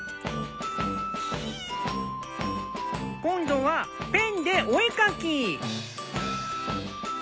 今度はペンでお絵描き。